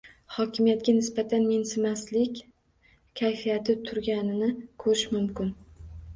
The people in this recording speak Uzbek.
Hokimiyatga nisbatan mensimaslik kayfiyati turganini koʻrish mumkin.